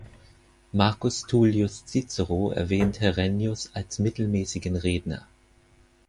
Marcus Tullius Cicero erwähnt Herennius als mittelmäßigen Redner.